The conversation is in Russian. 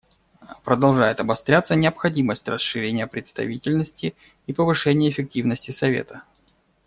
Продолжает обостряться необходимость расширения представительности и повышения эффективности Совета.